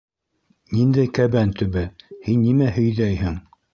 Ниндәй кәбән төбө? һин нимә һөйҙәйһең?